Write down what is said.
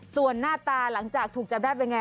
ส่วนหน้าตาหลังจากถูกจับได้เป็นไง